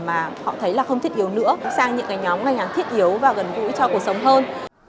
mà họ thấy là không thiết yếu nữa sang những cái nhóm ngành hàng thiết yếu và gần gũi cho cuộc sống hơn